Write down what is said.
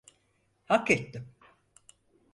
Hak ettim.